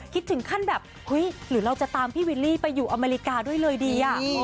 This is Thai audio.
คิดถึงขั้นแบบเฮ้ยหรือเราจะตามพี่วิลลี่ไปอยู่อเมริกาด้วยเลยดี